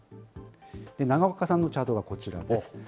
長岡さんのチャートがこちらです。